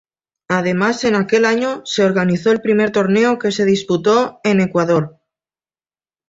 Además en aquel año se organizó el primer torneo que se disputó en Ecuador.